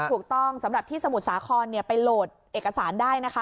ถูกต้องสำหรับที่สมุทรสาครเนี่ยไปโหลดเอกสารได้นะคะ